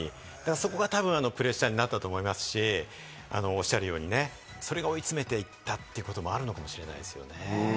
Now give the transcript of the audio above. そこがたぶん、プレッシャーになったと思いますし、おっしゃるようにね、それが追い詰めていったってこともあるのかもしれないですよね。